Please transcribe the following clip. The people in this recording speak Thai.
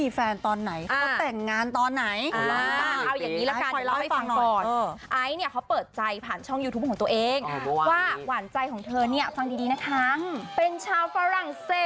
เป็นชาวฝรั่งเศสคุณผู้ชมค่ะ